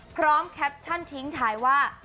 พร้อมแคปชั่นทิ้งท้ายว่า